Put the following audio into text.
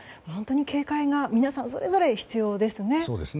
警戒が皆さんそれぞれ必要ですね。